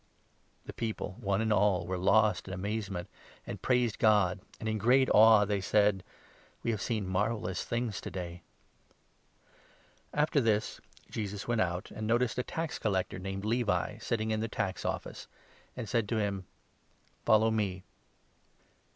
The people, one and all, were lost in amazement, 26 and praised God ; and in great awe they said :" We have seen marvellous things to day !" can of After this, Jesus went out ; and he noticed a 27 Levi. tax gatherer, named Levi, sitting in the tax office, and said to him :" Follow me."